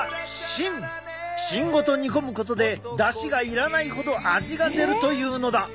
芯ごと煮込むことでだしが要らないほど味が出るというのだ。